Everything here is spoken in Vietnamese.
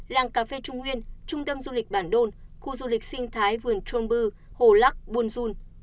làng cà phê trung nguyên trung tâm du lịch bản đôn khu du lịch sinh thái vườn trôm bư hồ lắc buôn dun